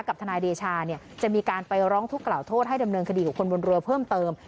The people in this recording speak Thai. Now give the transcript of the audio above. ทนายเดชาเนี่ยจะมีการไปร้องทุกขล่าโทษให้ดำเนินคดีกับคนบนเรือเพิ่มเติม